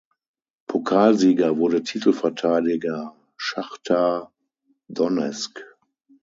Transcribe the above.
Pokalsieger wurde Titelverteidiger Schachtar Donezk.